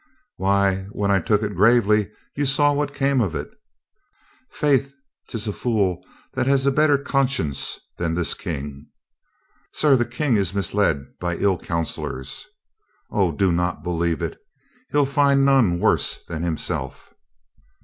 "Why, when I took it gravely, you saw what came of it. Faith, 'tis a fool that has a better con science than his King." "Sir, the King is misled by ill counselors." "O, do not believe it. He'll find none worse than himself."